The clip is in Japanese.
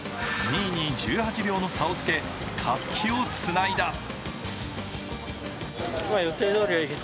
２位に１８秒の差をつけたすきをつないだ。